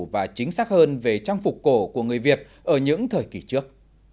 và chính xác hơn về trang phục cổ của người việt ở những thời kỳ trước